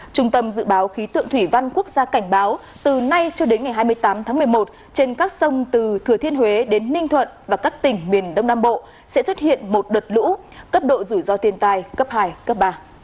trung tâm dự báo khí tượng thủy văn quốc gia cảnh báo từ nay cho đến ngày hai mươi tám tháng một mươi một trên các sông từ thừa thiên huế đến ninh thuận và các tỉnh miền đông nam bộ sẽ xuất hiện một đợt lũ cấp độ rủi ro thiên tai cấp hai cấp ba